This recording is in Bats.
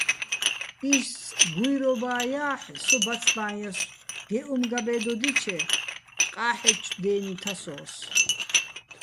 ის გუჲრობაჼ ჲა́ჰ̦ე̆, სო ბაცბაჼ ჲასო̆, გეჸ უ̂მ გაბე́დოდიჩე, ყა́ჰ̦ეჩო̆ დე́ნი თასო́ს.